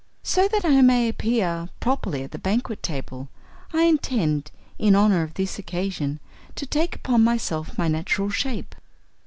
So that I may appear properly at the banquet table I intend, in honor of this occasion, to take upon myself my natural shape."